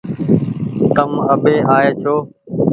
تم آٻي آئي ڇو